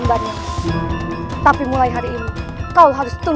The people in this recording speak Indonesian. masih tau cute